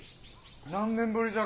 何年ぶりじゃろ。